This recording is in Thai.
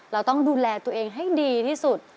เราต้องดูแลตัวเองให้ดีที่สุด